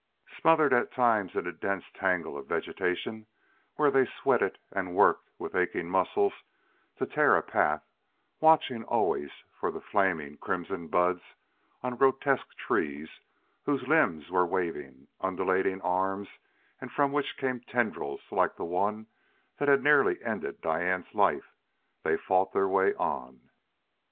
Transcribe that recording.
Smothered at times in a dense tangle of vegetation, where they sweated and worked with aching muscles to tear a path; watching always for the flaming, crimson buds on grotesque trees, whose limbs were waving, undulating arms and from which came tendrils like the one that had nearly ended Diane's life, they fought their way on.